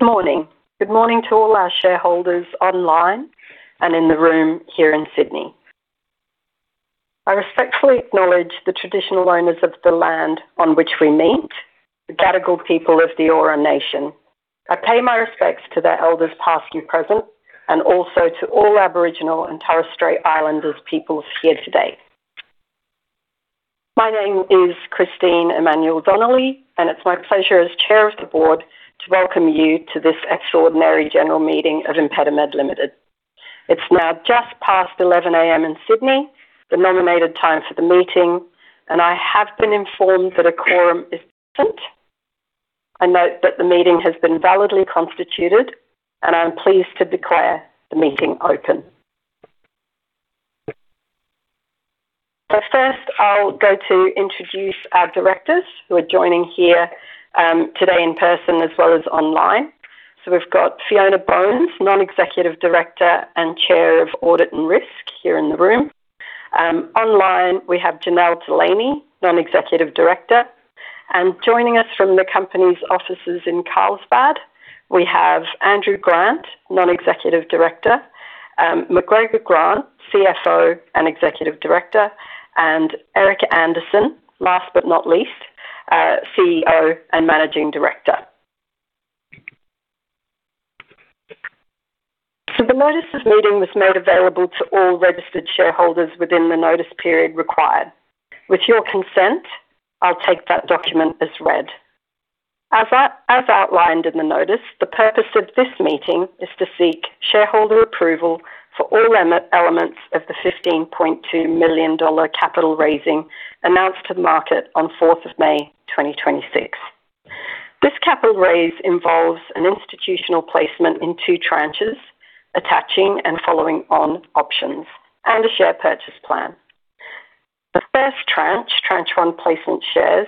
Good morning. Good morning to all our shareholders online and in the room here in Sydney. I respectfully acknowledge the traditional owners of the land on which we meet, the Gadigal people of the Eora nation. I pay my respects to their elders, past and present, and also to all Aboriginal and Torres Strait Islanders peoples here today. My name is Christine Emmanuel-Donnelly, and it's my pleasure as chair of the board to welcome you to this extraordinary general meeting of ImpediMed Limited. It's now just past 11:00 A.M. in Sydney, the nominated time for the meeting, and I have been informed that a quorum is present. I note that the meeting has been validly constituted, and I'm pleased to declare the meeting open. First, I'll go to introduce our directors who are joining here today in person as well as online. We've got Fiona Bones, non-executive director and chair of audit and risk here in the room. Online, we have Janelle Delaney, non-executive director. Joining us from the company's offices in Carlsbad, we have Andrew Grant, non-executive director, McGregor Grant, CFO and executive director, and Erik Anderson, last but not least, CEO and managing director. The notice of meeting was made available to all registered shareholders within the notice period required. With your consent, I'll take that document as read. As outlined in the notice, the purpose of this meeting is to seek shareholder approval for all elements of the 15.2 million dollar capital raising announced to the market on 4th of May 2026. This capital raise involves an institutional placement in two tranches, attaching and following on options and a share purchase plan. The first tranche 1 placement shares,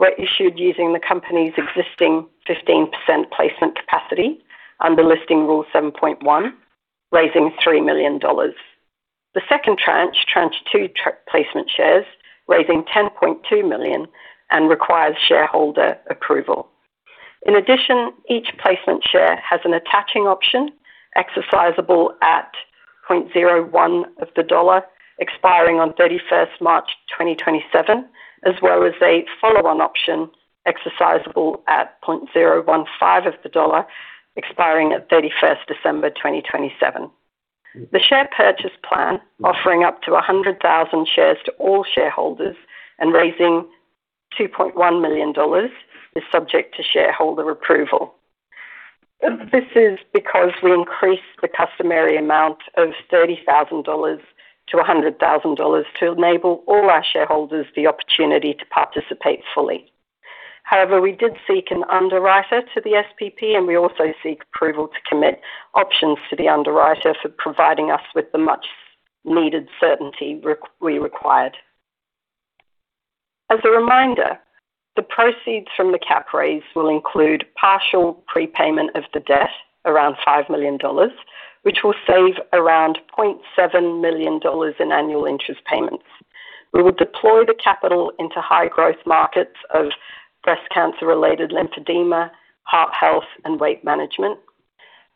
were issued using the company's existing 15% placement capacity under Listing Rule 7.1, raising 3 million dollars. The second tranche 2 placement shares, raising 10.2 million and requires shareholder approval. Each placement share has an attaching option exercisable at 0.01 dollar, expiring on 31st March 2027, as well as a follow-on option exercisable at 0.015 dollar, expiring at 31st December 2027. The share purchase plan, offering up to 100,000 shares to all shareholders and raising 2.1 million dollars, is subject to shareholder approval. This is because we increased the customary amount of 30,000-100,000 dollars to enable all our shareholders the opportunity to participate fully. We did seek an underwriter to the SPP, and we also seek approval to commit options to the underwriter for providing us with the much needed certainty we required. As a reminder, the proceeds from the cap raise will include partial prepayment of the debt, around 5 million dollars, which will save around 0.7 million dollars in annual interest payments. We will deploy the capital into high growth markets of breast cancer-related lymphedema, heart health, and weight management.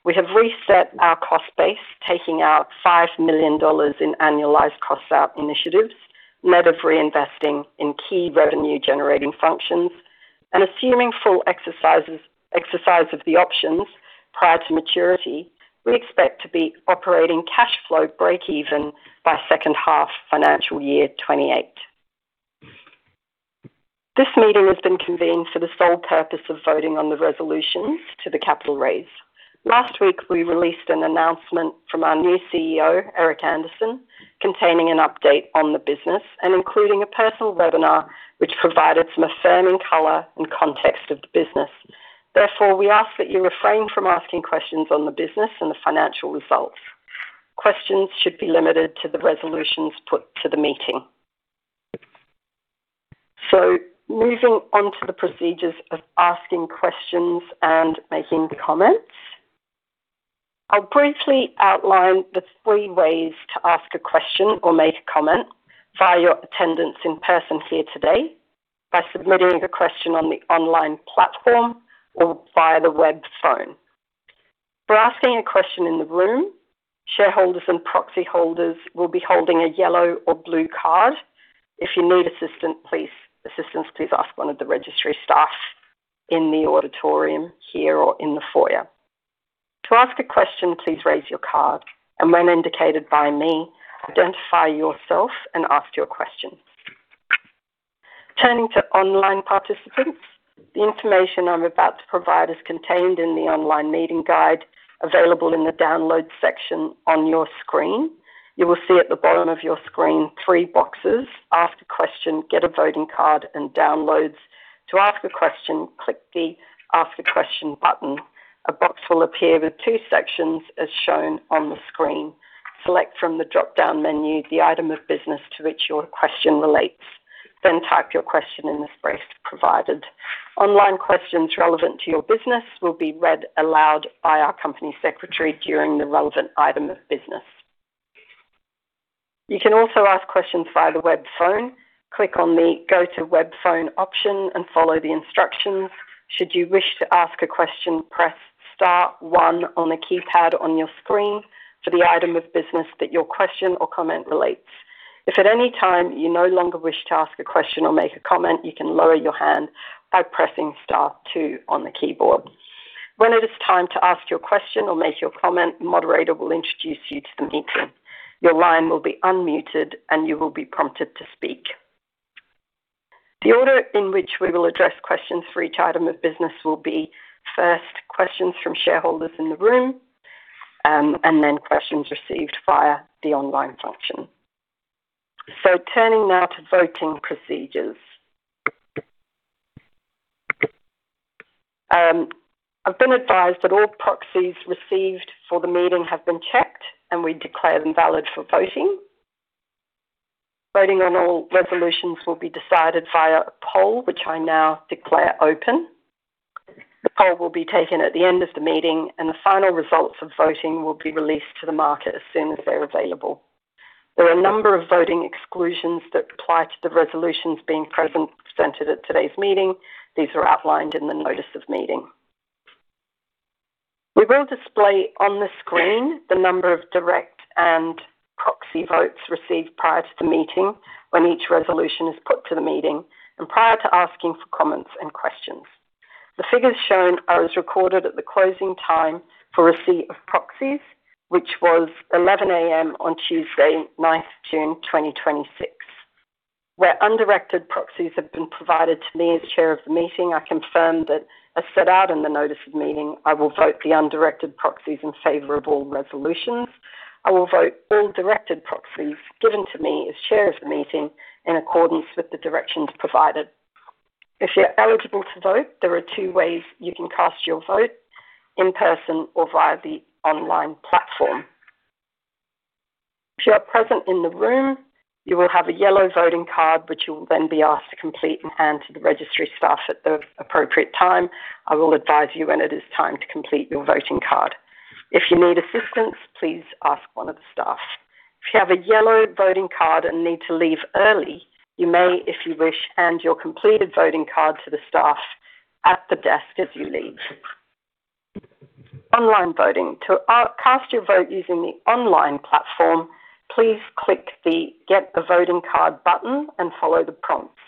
We have reset our cost base, taking out 5 million dollars in annualized cost out initiatives, net of reinvesting in key revenue-generating functions. Assuming full exercise of the options prior to maturity, we expect to be operating cash flow breakeven by second half financial year 2028. This meeting has been convened for the sole purpose of voting on the resolutions to the capital raise. Last week, we released an announcement from our new CEO, Erik Anderson, containing an update on the business and including a personal webinar, which provided some affirming color and context of the business. Therefore, we ask that you refrain from asking questions on the business and the financial results. Questions should be limited to the resolutions put to the meeting. Moving on to the procedures of asking questions and making comments. I will briefly outline the three ways to ask a question or make a comment via your attendance in person here today, by submitting a question on the online platform or via the web phone. For asking a question in the room, shareholders and proxy holders will be holding a yellow or blue card. If you need assistance, please ask one of the registry staff in the auditorium here or in the foyer. To ask a question, please raise your card, and when indicated by me, identify yourself and ask your question. Turning to online participants, the information I am about to provide is contained in the online meeting guide available in the download section on your screen. You will see at the bottom of your screen three boxes: Ask a question, Get a voting card, and Downloads. To ask a question, click the Ask a question button. A box will appear with two sections as shown on the screen. Select from the dropdown menu the item of business to which your question relates. Type your question in the space provided. Online questions relevant to your business will be read aloud by our company secretary during the relevant item of business. You can also ask questions via the web phone. Click on the Go to Web Phone option and follow the instructions. Should you wish to ask a question, press star one on the keypad on your screen for the item of business that your question or comment relates. If at any time you no longer wish to ask a question or make a comment, you can lower your hand by pressing star two on the keyboard. When it is time to ask your question or make your comment, the moderator will introduce you to the meeting. Your line will be unmuted, and you will be prompted to speak. The order in which we will address questions for each item of business will be first, questions from shareholders in the room, and then questions received via the online function. Turning now to voting procedures. I have been advised that all proxies received for the meeting have been checked, and we declare them valid for voting. Voting on all resolutions will be decided via a poll, which I now declare open. The poll will be taken at the end of the meeting, and the final results of voting will be released to the market as soon as they are available. There are a number of voting exclusions that apply to the resolutions being presented at today's meeting. These are outlined in the notice of meeting. We will display on the screen the number of direct and proxy votes received prior to the meeting when each resolution is put to the meeting and prior to asking for comments and questions. The figures shown are as recorded at the closing time for receipt of proxies, which was 11:00 A.M. on Tuesday, 9th June 2026. Where undirected proxies have been provided to me as chair of the meeting, I confirm that as set out in the notice of meeting, I will vote the undirected proxies in favor of all resolutions. I will vote all directed proxies given to me as chair of the meeting in accordance with the directions provided. If you're eligible to vote, there are two ways you can cast your vote, in person or via the online platform. If you are present in the room, you will have a yellow voting card, which you will then be asked to complete and hand to the registry staff at the appropriate time. I will advise you when it is time to complete your voting card. If you need assistance, please ask one of the staff. If you have a yellow voting card and need to leave early, you may, if you wish, hand your completed voting card to the staff at the desk as you leave. Online voting. To cast your vote using the online platform, please click the Get a Voting Card button and follow the prompts.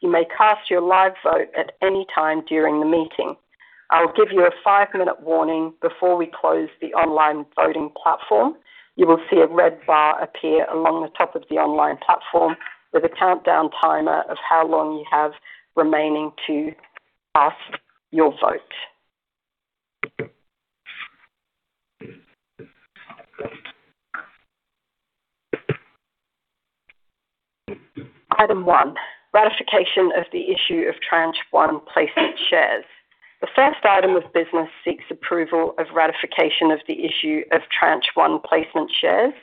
You may cast your live vote at any time during the meeting. I will give you a five-minute warning before we close the online voting platform. You will see a red bar appear along the top of the online platform with a countdown timer of how long you have remaining to cast your vote. Item one, ratification of the issue of tranche one placement shares. The first item of business seeks approval of ratification of the issue of tranche one placement shares.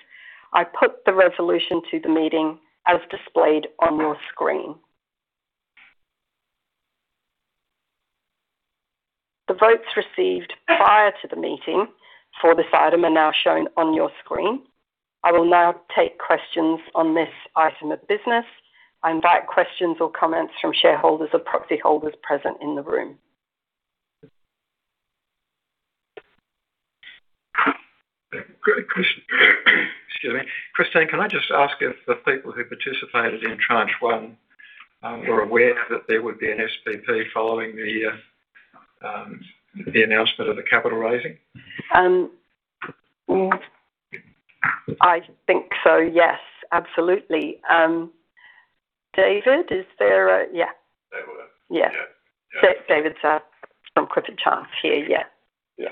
I put the resolution to the meeting as displayed on your screen. The votes received prior to the meeting for this item are now shown on your screen. I will now take questions on this item of business. I invite questions or comments from shareholders or proxy holders present in the room. Excuse me. Christine, can I just ask if the people who participated in tranche one were aware that there would be an SPP following the announcement of the capital raising? I think so, yes. Absolutely. David, is there a They were. Yeah. Yeah. David's from Clifford Chance here. The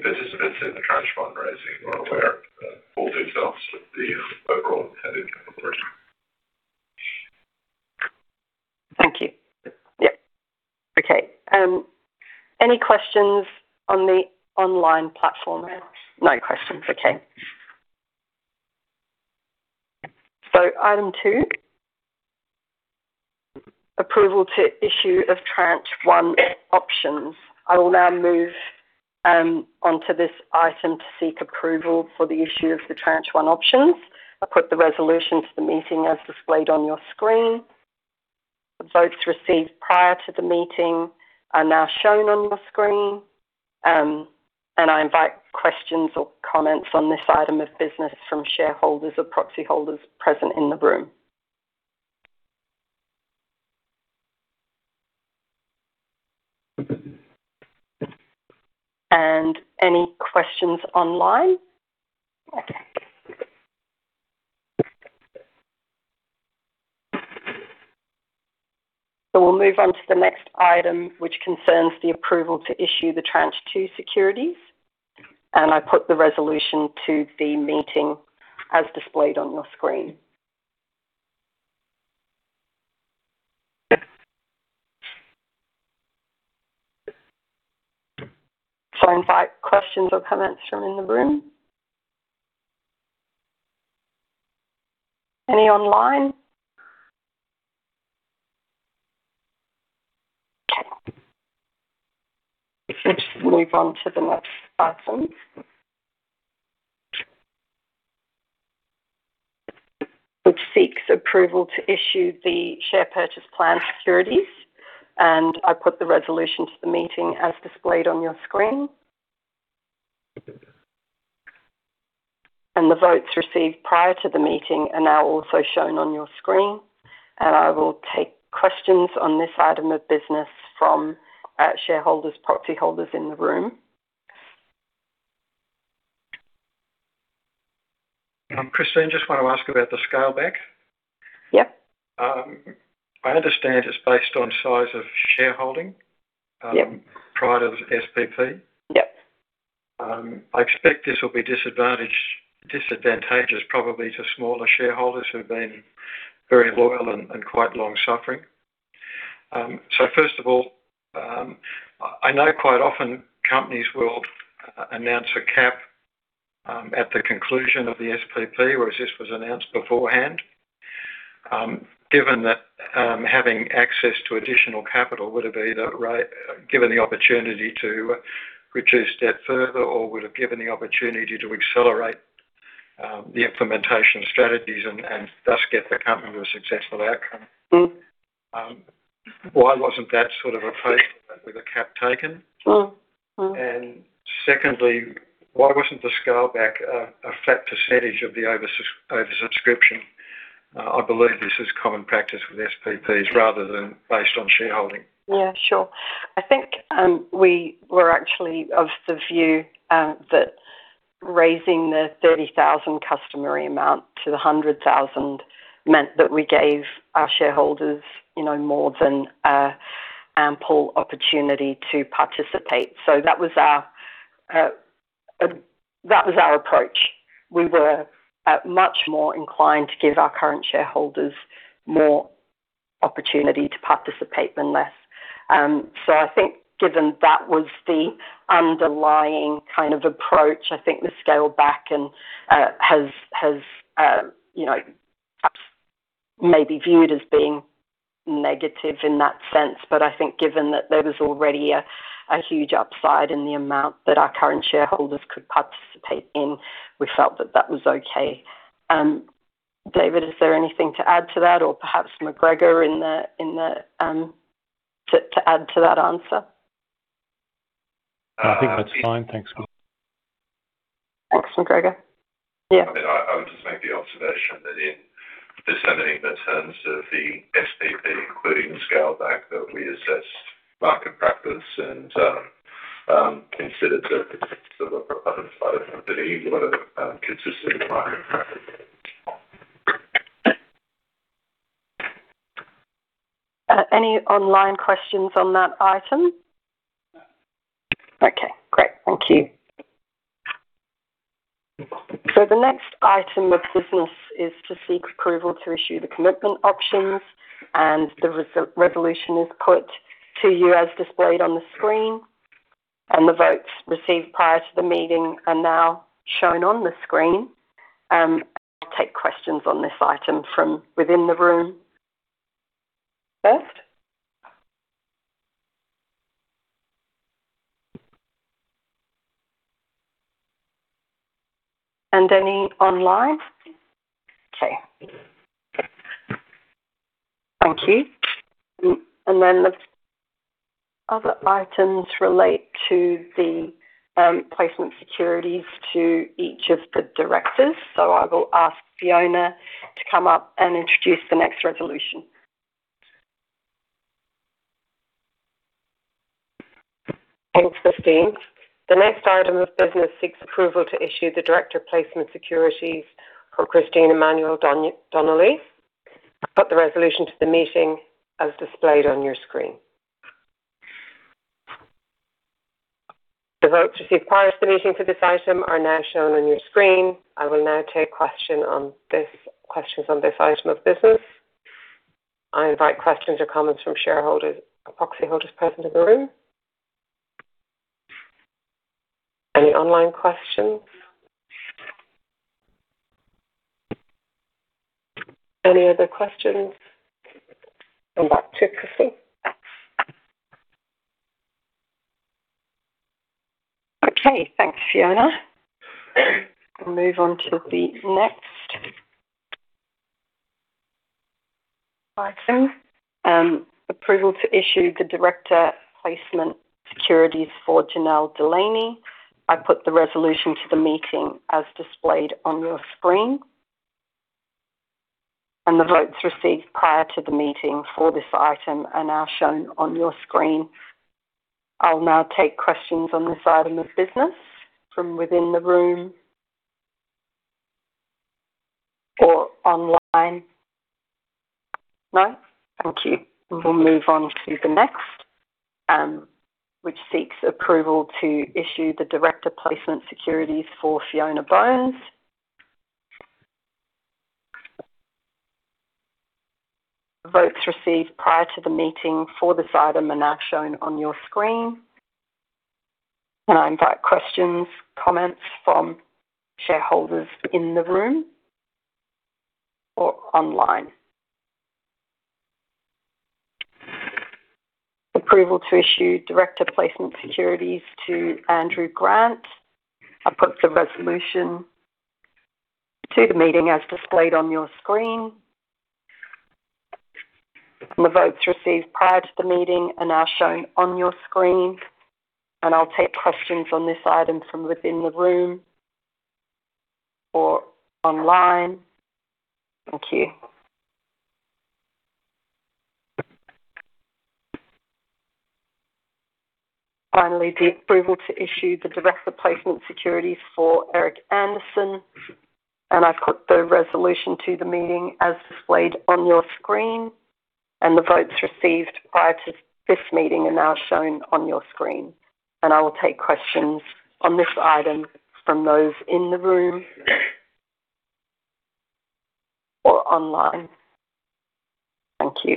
participants in the tranche one raising were aware of all details of the overall capital raise. Thank you. Yep. Okay. Any questions on the online platform? No questions. Okay. Item two, approval to issue of tranche one options. I will now move on to this item to seek approval for the issue of the tranche one options. I put the resolution to the meeting as displayed on your screen. The votes received prior to the meeting are now shown on your screen. I invite questions or comments on this item of business from shareholders or proxy holders present in the room. Any questions online? Okay. We'll move on to the next item, which concerns the approval to issue the tranche two securities. I put the resolution to the meeting as displayed on your screen. I invite questions or comments from in the room. Any online? Move on to the next item. Which seeks approval to issue the share purchase plan securities. I put the resolution to the meeting as displayed on your screen. The votes received prior to the meeting are now also shown on your screen. I will take questions on this item of business from shareholders, proxy holders in the room. Christine, just want to ask about the scale back. Yep. I understand it's based on size of shareholding. Yep. Prior to the SPP. Yep. I expect this will be disadvantageous probably to smaller shareholders who've been very loyal and quite long-suffering. First of all, I know quite often companies will announce a cap at the conclusion of the SPP, whereas this was announced beforehand. Given that having access to additional capital would have either given the opportunity to reduce debt further or would have given the opportunity to accelerate the implementation strategies and thus get the company to a successful outcome. Why wasn't that sort of approach with a cap taken? Secondly, why wasn't the scale back a flat percentage of the oversubscription? I believe this is common practice with SPPs rather than based on shareholding. Yeah, sure. I think we were actually of the view that raising the 30,000 customary amount to the 100,000 meant that we gave our shareholders more than ample opportunity to participate. That was our approach. We were much more inclined to give our current shareholders more opportunity to participate than less. I think given that was the underlying kind of approach, I think the scale back has maybe viewed as being negative in that sense. I think given that there was already a huge upside in the amount that our current shareholders could participate in, we felt that that was okay. David, is there anything to add to that? Or perhaps McGregor to add to that answer? I think that's fine. Thanks. Thanks, McGregor. Yeah. I would just make the observation that in determining the terms of the SPP, including the scale back, that we assessed market practice and considered the sort of upside for the consistent market practice. Any online questions on that item? Okay, great. Thank you. The next item of business is to seek approval to issue the commitment options, the resolution is put to you as displayed on the screen. The votes received prior to the meeting are now shown on the screen. I'll take questions on this item from within the room first. Any online? Okay. Thank you. The other items relate to the placement securities to each of the directors. I will ask Fiona to come up and introduce the next resolution. Thanks, Christine. The next item of business seeks approval to issue the director placement securities for Christine Emmanuel-Donnelly. I put the resolution to the meeting as displayed on your screen. The votes received prior to the meeting for this item are now shown on your screen. I will now take questions on this item of business. I invite questions or comments from shareholders or proxy holders present in the room. Any online questions? Any other questions? Come back to Christine. Okay, thanks, Fiona. We'll move on to the next item, approval to issue the director placement securities for Janelle Delaney. I put the resolution to the meeting as displayed on your screen. The votes received prior to the meeting for this item are now shown on your screen. I'll now take questions on this item of business from within the room or online. No? Thank you. We'll move on to the next, which seeks approval to issue the director placement securities for Fiona Bones. The votes received prior to the meeting for this item are now shown on your screen. I invite questions, comments from shareholders in the room or online. Approval to issue director placement securities to Andrew Grant. I put the resolution to the meeting as displayed on your screen. The votes received prior to the meeting are now shown on your screen. I'll take questions on this item from within the room or online. Thank you. Finally, the approval to issue the director placement securities for Erik Anderson. I've put the resolution to the meeting as displayed on your screen. The votes received prior to this meeting are now shown on your screen. I will take questions on this item from those in the room or online. Thank you.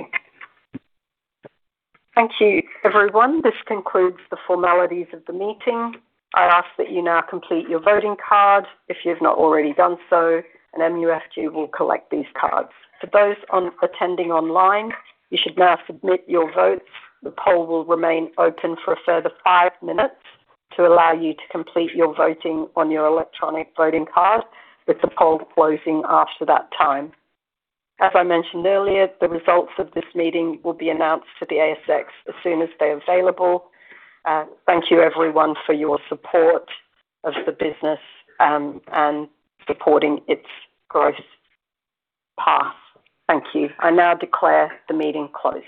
Thank you, everyone. This concludes the formalities of the meeting. I ask that you now complete your voting card if you've not already done so, and MUFG will collect these cards. For those attending online, you should now submit your votes. The poll will remain open for a further five minutes to allow you to complete your voting on your electronic voting card, with the poll closing after that time. As I mentioned earlier, the results of this meeting will be announced to the ASX as soon as they're available. Thank you, everyone, for your support of the business and supporting its growth path. Thank you. I now declare the meeting closed.